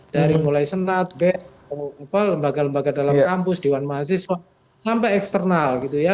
dari mulai senat bed lembaga lembaga dalam kampus dewan mahasiswa sampai eksternal gitu ya